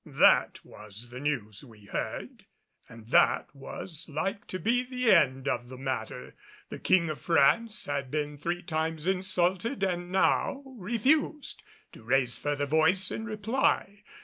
That was the news we heard, and that was like to be the end of the matter. The King of France had been three times insulted and now refused to raise further voice in reply.